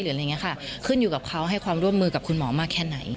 อะไรอย่างนี้ค่ะขึ้นอยู่กับเขาให้ความร่วมมือกับคุณหมอมากแค่ไหน